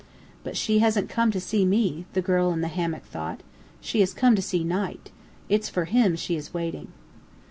"But she hasn't come to see me," the girl in the hammock thought. "She has come to see Knight. It's for him she is waiting."